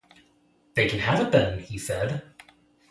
“They can have it, then!” he said.